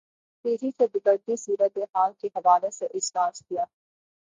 تیزی سے بگڑتی صورت حال کے حوالے سے اجلاس کیا